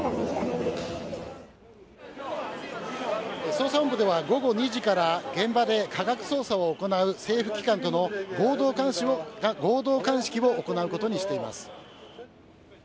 捜査本部では午後２時から、現場で科学捜査を行う政府機関との合同鑑識を行うことにしています。